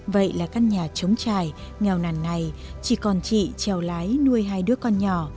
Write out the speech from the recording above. vậy là căn nhà chống trài nghèo nàn này chỉ còn chị trèo lái nuôi hai đứa con nhỏ